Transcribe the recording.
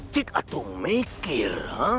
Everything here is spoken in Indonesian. cik aku mikir